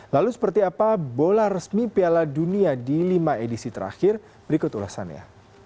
lalu seperti apa bola resmi piala dunia di lima edisi terakhir berikut ulasannya